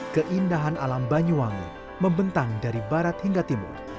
keindahan alam banyuwangi membentang dari barat hingga timur